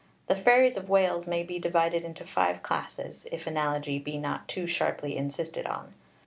The fairies of Wales may be divided into five classes, if analogy be not too sharply insisted on.